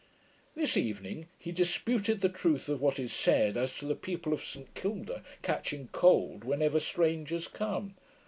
This evening he disputed the truth of what is said, as to the people of St Kilda catching cold whenever strangers come.